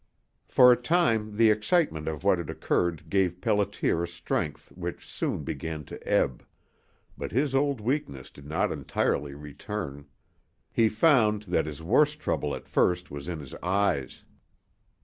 For a time the excitement of what had occurred gave Pelliter a strength which soon began to ebb. But his old weakness did not entirely return. He found that his worst trouble at first was in his eyes.